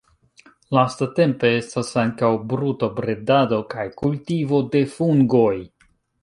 Lastatempe estas ankaŭ brutobredado kaj kultivo de fungoj.